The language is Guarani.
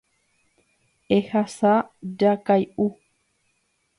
Ehasa jakay'u.